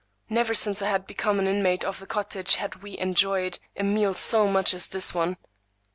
Never since I had become an inmate of the cottage had we enjoyed a meal so much as that one.